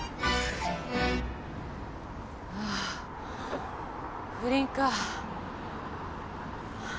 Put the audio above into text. ああ不倫かぁ。